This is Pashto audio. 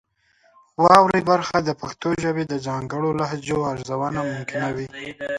واورئ برخه د پښتو ژبې د ځانګړو لهجو ارزونه ممکنوي.